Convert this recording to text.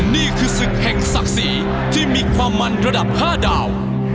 นี่คือศึกแห่งศักดิ์ศรีที่มีความมันระดับ๕ดาว